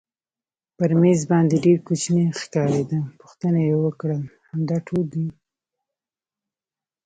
پر مېز باندې ډېر کوچنی ښکارېده، پوښتنه یې وکړل همدا ټول یو؟